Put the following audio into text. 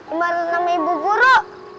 emang ada nama ibu guru